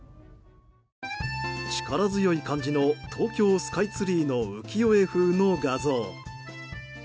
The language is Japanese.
力強い感じの東京スカイツリーの浮世絵風の画像。